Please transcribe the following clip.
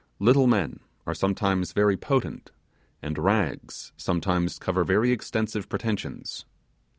Little men are sometimes very potent, and rags sometimes cover very extensive pretensions.